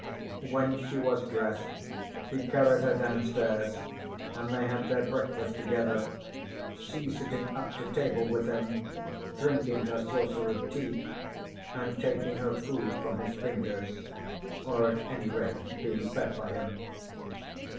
When she was dressed he carried her downstairs and they had their breakfast together, she sitting up to table with him, drinking her saucer of tea, and taking her food from his fingers, or at any rate being fed by him.